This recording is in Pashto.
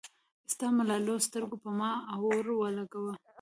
ستا ملالو سترګو پۀ ما اور اولګوو